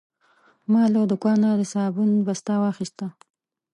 ما له دوکانه د صابون بسته واخیسته.